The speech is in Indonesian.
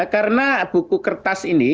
karena buku kertas ini